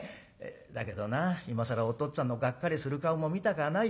だけどな今更おとっつぁんのがっかりする顔も見たくはないしね。